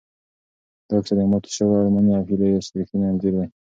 دا کیسه د ماتو شوو ارمانونو او هیلو یو ریښتونی انځور دی.